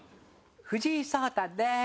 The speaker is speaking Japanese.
藤井聡太です。